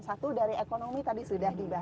satu dari ekonomi tadi sudah dibahas